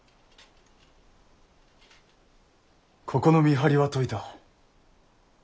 ここの見張りは解いた。